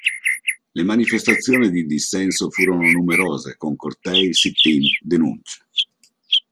Le manifestazioni di dissenso furono numerose, con cortei, sit-in, denunce.